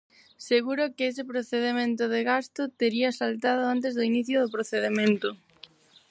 Seguro que ese procedemento de gasto tería saltado antes do inicio do procedemento.